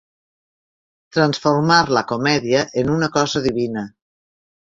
Transformar la comèdia en una cosa divina.